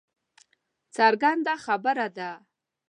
څرګنده خبره ده